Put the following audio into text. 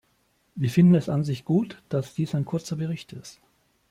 Wir finden es an sich gut, dass dies ein kurzer Bericht ist.